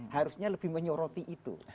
harusnya lebih menyoroti itu